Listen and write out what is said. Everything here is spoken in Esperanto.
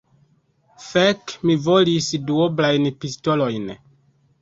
Fek! mi volis duoblajn pistolojn.